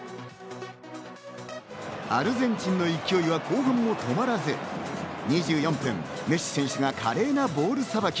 アルゼンチンの勢いは後半も止まらず、２４分、メッシ選手が華麗なボールさばき。